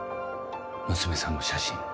娘さんの写真。